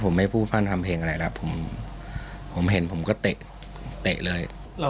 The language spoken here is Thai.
ผมไม่พูดว่างทำเพลงอะไรครับผมเห็นผมก็เตะเลย